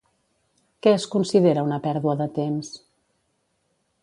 Què es considera una pèrdua de temps?